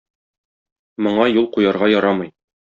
Моңа юл куярга ярамый.